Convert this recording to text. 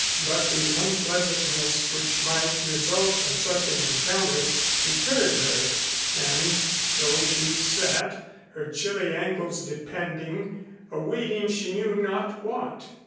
But the unpleasantness which might result from such an encounter deterred her, and so she sat, her chilly ankles depending, awaiting she knew not what.